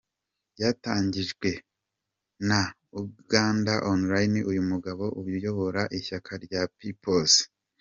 byatangajwe na Ugandaonline, uyu mugabo uyobora ishyaka rya People's.